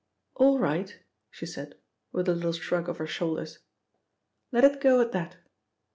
"All right," she said, with a little shrug of her shoulders. "Let it go at that.